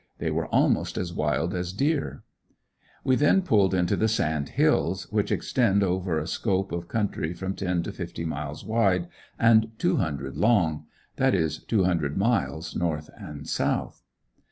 They were almost as wild as deer. We then pulled into the Sand Hills, which extend over a scope of country from ten to fifty miles wide, and two hundred long that is, two hundred miles north and south.